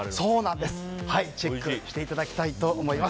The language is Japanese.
チェックしていただきたいと思います。